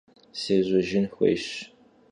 Sêjejjın xuêyş.